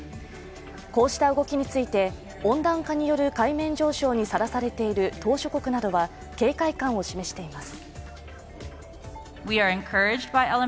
こうした動きについて、温暖化による海面上昇にさらされている島しょ国などは警戒感を示しています。